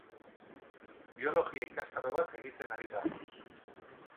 Biologia ikastaro bat egiten ari da.